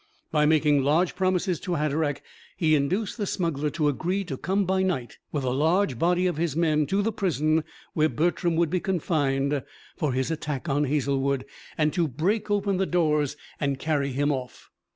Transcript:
By making large promises to Hatteraick he induced the smuggler to agree to come by night, with a large body of his men, to the prison where Bertram would be confined for his attack on Hazlewood, and to break open the doors and carry him off.